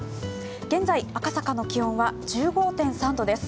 現在、赤坂の気温は１５．３度です。